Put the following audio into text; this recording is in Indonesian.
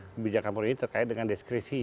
kebijakan perhubungan ini terkait dengan deskripsi